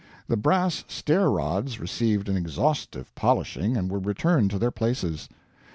The brass stair rods received an exhaustive polishing and were returned to their places.